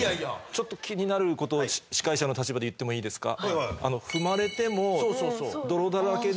ちょっと気になることを司会者の立場で言ってもいいですか？